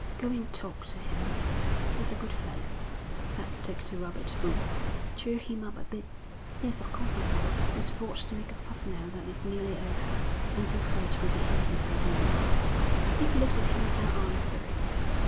'Go and talk to him, there's a good fellow,' said Dick to Robert Boulger. 'Cheer him up a bit.' 'Yes, of course I will. It's rot to make a fuss now that it's nearly over. Uncle Fred will be here himself in an hour.' Dick looked at him without answering.